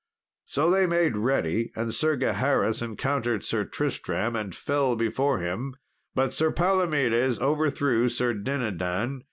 So they made ready, and Sir Gaheris encountered Sir Tristram and fell before him; but Sir Palomedes overthrew Sir Dinadan.